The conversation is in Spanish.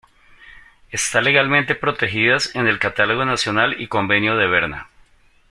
Está legalmente protegidas en el Catálogo Nacional y Convenio de Berna.